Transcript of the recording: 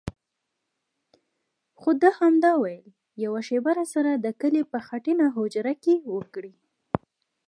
خو ده همدا ویل: یوه شپه راسره د کلي په خټینه هوجره کې وکړئ.